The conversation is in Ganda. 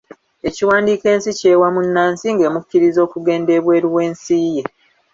Ekiwandiiko ensi ky'ewa munnansi ng'emukkiriza okugenda ebweru w'ensi ye.